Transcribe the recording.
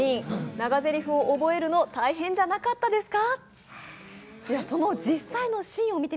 長ぜりふを覚えるの、大変じゃなかったですか